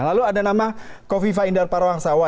lalu ada nama kofifa indar parawangsawa